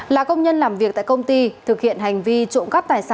là công nhân làm việc tại công ty thực hiện hành vi trộm cắp tài sản